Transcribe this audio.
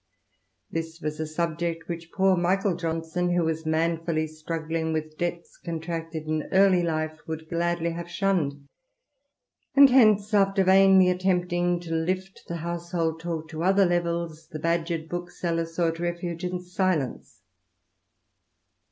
This was a subject which poor Michael Johnson, who was manfully struggling with debts contracted in early life, would gladly have shunned, and hence, after vainly attempting to lift the household talk to other levels, the badgered bookseller sought refuge in silence.